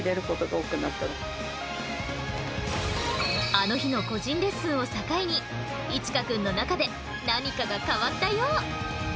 あの日の個人レッスンを境に一奏くんの中で何かが変わったよう。